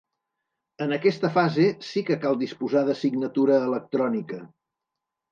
En aquesta fase sí que cal disposar de signatura electrònica.